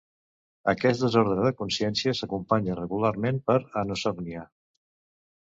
Aquest desordre de consciència s'acompanya regularment per anosognòsia.